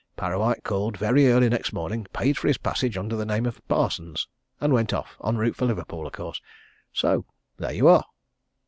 Parrawhite called very early next morning, paid for his passage under the name of Parsons, and went off en route for Liverpool, of course. So there you are!"